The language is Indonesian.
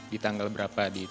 di tanggal berapa